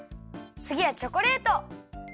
つぎはチョコレート！